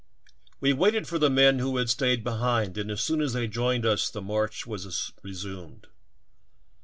"We waited for the men who had staid behind and as soon as they joined us the march was resumed.